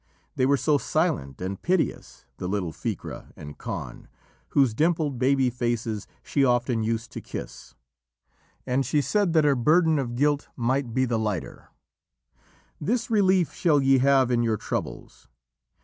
They were so silent and piteous, the little Ficra and Conn, whose dimpled baby faces she often used to kiss. And she said, that her burden of guilt might be the lighter: "This relief shall ye have in your troubles.